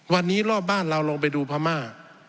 วันนี้รอบบ้านเราลงไปดูพม่า